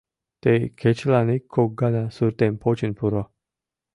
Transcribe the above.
Тый кечылан ик-кок гана суртем почын пуро.